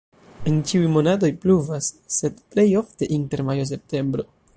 En ĉiuj monatoj pluvas, sed plej ofte inter majo-septembro.